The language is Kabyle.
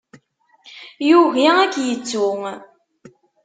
Yugi ad k-yettu.